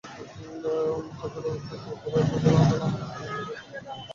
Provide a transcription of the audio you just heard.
হযরত খুবাইব রাযিয়াল্লাহু আনহু-এর শরীর বর্শার আঘাতে ঝাঁঝরা হয়ে যায়।